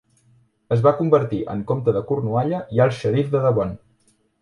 Es va convertir en comte de Cornualla i alt xerif de Devon.